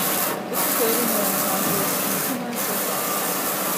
This was later known as Marshall's "consumer surplus".